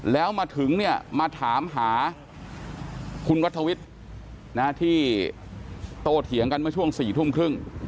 แล้วมาถามหาคุณวัฒนวิทย์ที่โตเถียงกันมาช่วง๔ทุ่มครึ่ง